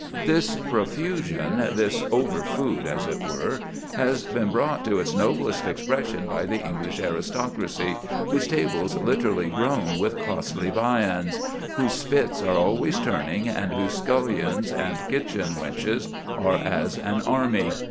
This profusion this overfood, as it were has been brought to its noblest expression by the English aristocracy, whose tables literally groan with costly viands, whose spits are always turning, and whose scullions and kitchen wenches are as an army.